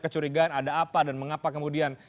kecurigaan ada apa dan mengapa kemudian